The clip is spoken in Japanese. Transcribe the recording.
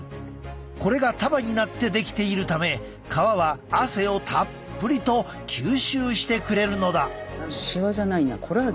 これが束になって出来ているため革は汗をたっぷりと吸収してくれるのだ。